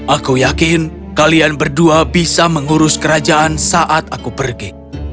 aku yakin kalian berdua bisa mengurus kerajaan saat aku pergi